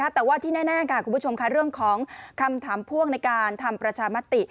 แต่ว่าที่แน่ค่ะคุณผู้ชมค่ะเรื่องของคำถามพ่วงในการทำประชามติ